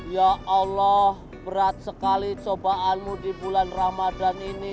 ya allah berat sekali cobaanmu di bulan ramadan ini